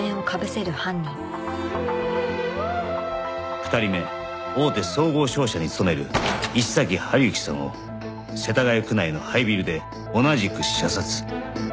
２人目大手総合商社に勤める石崎陽之さんを世田谷区内の廃ビルで同じく射殺。